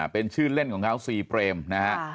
เป็นชื่อเล่นของเขาซีเปรมนะฮะ